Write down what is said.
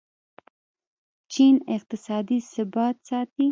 چین اقتصادي ثبات ساتي.